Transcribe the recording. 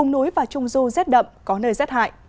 núi và trung du rét đậm có nơi rét hại